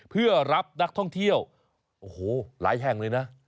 เพื่อรับนักท่องเที่ยวโอ้โหหลายแห่งเลยนะ